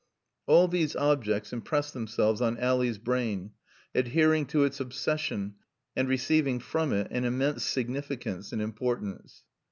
All these objects impressed themselves on Ally's brain, adhering to its obsession and receiving from it an immense significance and importance.